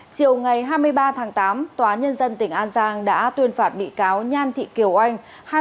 chiều ngày hai mươi ba tháng tám tòa nhân dân tỉnh an giang đã tuyên phạt bị cáo nhan thị kiều anh